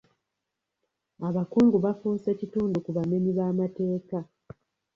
Abakungu bafuuse kitundu ku bamenyi b'amateeka.